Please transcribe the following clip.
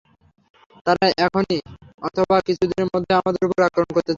তারা এখনই অথবা কিছুদিনের মধ্যেই আমাদের উপর আক্রমণ করতে চায়।